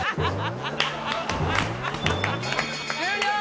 終了！